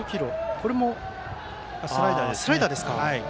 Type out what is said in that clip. これもスライダーですね。